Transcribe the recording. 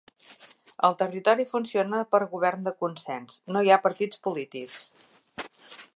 El territori funciona per govern de consens; no hi ha partits polítics